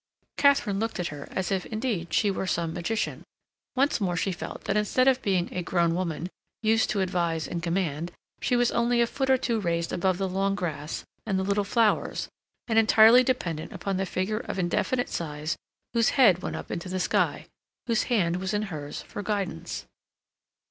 Katharine looked at her as if, indeed, she were some magician. Once more she felt that instead of being a grown woman, used to advise and command, she was only a foot or two raised above the long grass and the little flowers and entirely dependent upon the figure of indefinite size whose head went up into the sky, whose hand was in hers, for guidance.